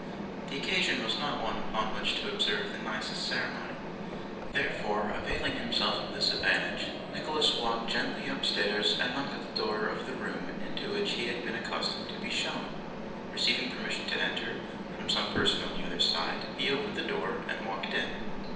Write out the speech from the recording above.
The occasion was not one upon which to observe the nicest ceremony; therefore, availing himself of this advantage, Nicholas walked gently upstairs and knocked at the door of the room into which he had been accustomed to be shown. Receiving permission to enter, from some person on the other side, he opened the door and walked in.